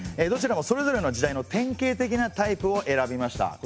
どちらもそれぞれの時代の典型的なタイプを選びました。